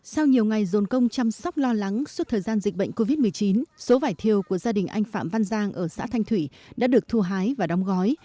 sau nhiều ngày dồn công chăm sóc lo lắng suốt thời gian dịch bệnh covid một mươi chín số vải thiều của gia đình anh phạm văn giang ở xã thanh thủy đã được thu hái và đóng gói